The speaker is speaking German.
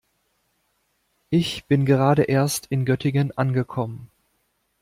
Ich bin gerade erst in Göttingen angekommen